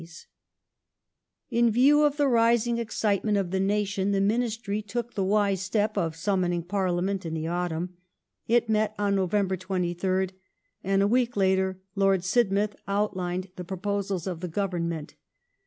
The Six In view of the rising excitement of the nation the Ministry took the wise step of summoning Parliament in the autumn. It met on November 23rd, and a week later Lord Sidmouth outlined the proposals of the Government.